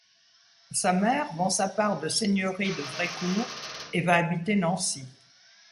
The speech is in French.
Sa mère vend sa part de seigneurie de Vrécourt et va habiter Nancy.